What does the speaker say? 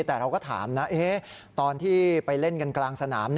แต่เราก็ถามนะตอนที่ไปเล่นกันกลางสนาม